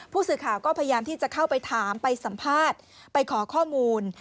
ผู้สื่อข่าวก็พยายามที่จะเข้าไปถามไปสัมภาษณ์ไปขอข้อมูล